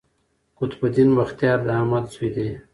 قطب الدین بختیار د احمد زوی دﺉ.